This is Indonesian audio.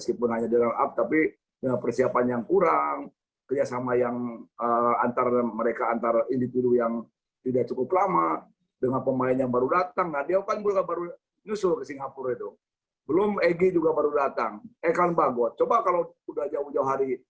ini pada bulan februari di kamboja